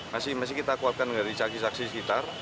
masih kita kuatkan garis aksi sekitar